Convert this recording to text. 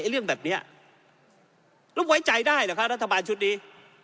ไอ้เรื่องแบบเนี้ยแล้วไว้จ่ายได้เหรอคะรัฐบาลชุดดี